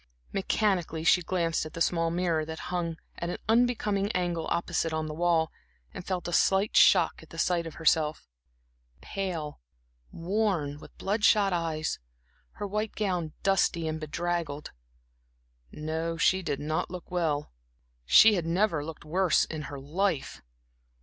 Mechanically, she glanced at the small mirror, that hung at an unbecoming angle opposite on the wall, and felt a slight shock at the sight of herself pale, worn, with blood shot eyes, her white gown dusty and bedraggled. No, she did not look well she had never looked worse in her life.